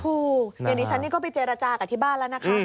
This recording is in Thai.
อย่างนี้ฉันนี่ก็ไปเจรจากับที่บ้านแล้วนะคะ